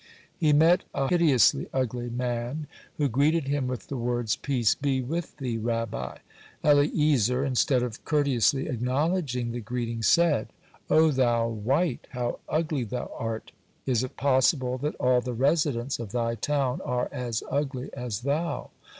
He met a hideously ugly man, who greeted him with the words: "Peace be with thee, Rabbi." Eliezer, instead of courteously acknowledging the greeting, said: "O thou wight, (72) how ugly thou art! Is it possible that all the residents of thy town are as ugly as thou?"